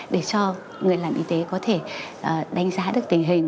để cho người làm y tế có thể đánh giá được tình hình